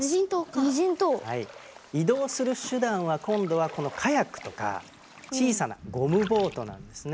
移動する手段は今度はこのカヤックとか小さなゴムボートなんですね。